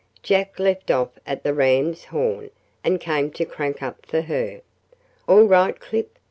Jack left off at the ram's horn, and came to crank up for her. "All right, Clip?"